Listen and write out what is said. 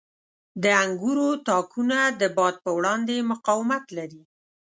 • د انګورو تاکونه د باد په وړاندې مقاومت لري.